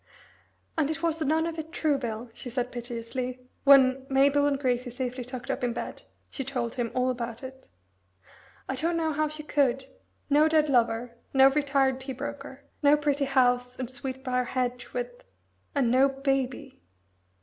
"And it was none of it true, Bill," she said piteously, when, Mabel and Gracie safely tucked up in bed, she told him all about it. "I don't know how she could. No dead lover no retired tea broker no pretty house, and sweet brier hedge with ... and no Baby."